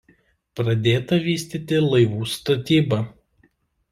Pradėta vystyti laivų statybą.